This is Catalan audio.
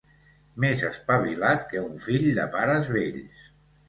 Més espavilat que un fill de pares vells.